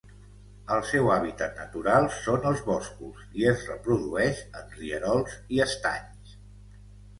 El seu hàbitat natural són els boscos, i es reprodueix en rierols i estanys.